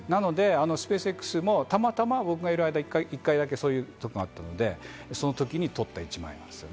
スペースＸもたまたま僕がいる間に１回だけそういうことがあったので、その時に撮った一枚です。